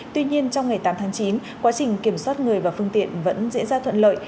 tuy nhiên trong ngày tám tháng chín quá trình kiểm soát người và phương tiện vẫn diễn ra thuận lợi